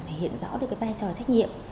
thể hiện rõ được vai trò trách nhiệm